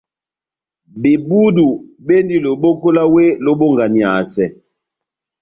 Bebudu bendi loboko lá wéh lobonganiyasɛ.